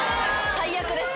最悪です。